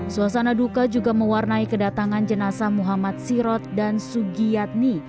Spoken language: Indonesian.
suasana duka juga mewarnai kedatangan jenazah muhammad sirot dan sugiyatni